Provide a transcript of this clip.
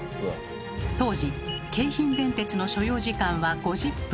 当時京浜電鉄の所要時間は５０分。